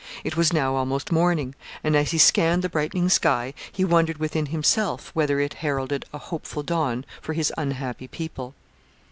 It was now almost morning, and as he scanned the brightening sky he wondered within himself whether it heralded a hopeful dawn for his unhappy people.